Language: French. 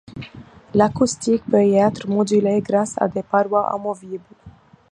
L'acoustique peut y être modulée grâce à des parois amovibles.